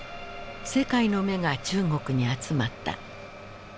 世界の目が中国に集まった。